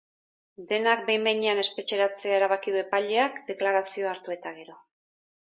Denak behin-behinean espetxeratzea erabaki du epaileak deklarazioa hartu eta gero.